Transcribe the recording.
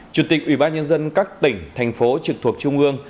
chủ tịch ủy ban nhân dân các tỉnh thành phố trực thuộc trung ương